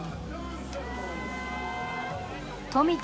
富田